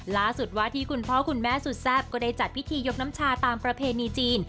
ล่าสุดวาที่คุณพ่อคุณแม่สุดแซ่บก็ได้จัดพิธียกน้ำชาตามประเพณีจีน